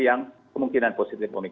yang kemungkinan positif